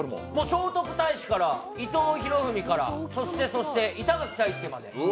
聖徳太子から伊藤博文からそしてそして板垣退助まで。